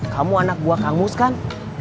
kamu anak buah kang mus kan